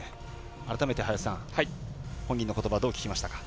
改めて林さん、本人のことばどう聞きましたか。